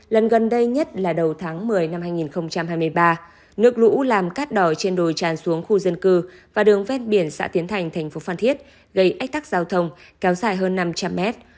lần gần đây nhất là đầu tháng một mươi năm hai nghìn hai mươi ba nước lũ làm cát đỏ trên đồi tràn xuống khu dân cư và đường ven biển xã tiến thành thành phố phan thiết gây ách tắc giao thông kéo dài hơn năm trăm linh mét